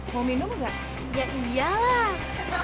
mau minum gak ya iyalah